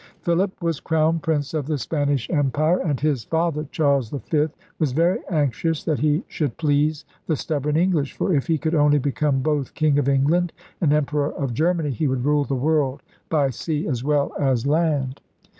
Philip was Crown Prince of the Spanish Empire, and his father, Charles V, was very anxious that he should please the stubborn English; for if he could only become both King of England and Emperor of Germany he would rule the world by sea as well as land.